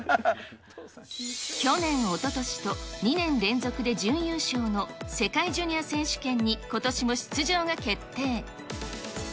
去年、おととしと、２年連続で準優勝の世界ジュニア選手権にことしも出場が決定。